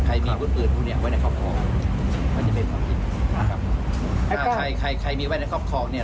ใครมีบุตรอื่นทุกอย่างไว้ในครอบครองมันจะเป็นความผิดครับใครใครมีไว้ในครอบครองเนี่ย